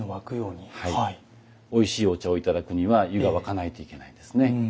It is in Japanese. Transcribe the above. おいしいお茶をいただくには湯が沸かないといけないんですね。